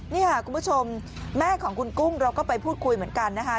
นี่ค่ะคุณผู้ชมแม่ของคุณกุ้งเราก็ไปพูดคุยเหมือนกันนะคะ